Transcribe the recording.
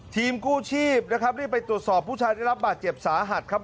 ทีมกู้ชีพนะครับรีบไปตรวจสอบผู้ชายได้รับบาดเจ็บสาหัสครับ